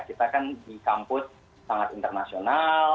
kita kan di kampus sangat internasional